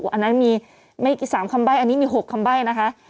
อันนั้นมีไม่กี่๓คำใบ้อันนี้มี๖คำใบ้นะคะ